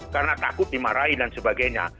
karena takut dimarahi dan sebagainya